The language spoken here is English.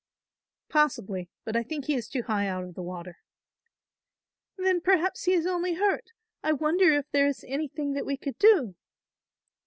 "Possibly, but I think he is too high out of the water." "Then perhaps he is only hurt; I wonder if there is anything that we could do."